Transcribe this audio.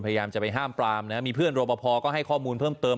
พยายามจะไปห้ามปรามนะมีเพื่อนรอปภก็ให้ข้อมูลเพิ่มเติม